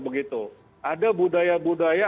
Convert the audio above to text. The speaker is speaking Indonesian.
begitu ada budaya budaya